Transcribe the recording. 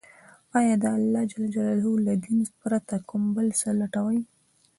آيا د الله له دين پرته كوم بل څه لټوي،